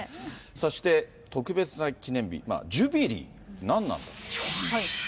そして、特別な記念日、ジュビリー、何なんですか。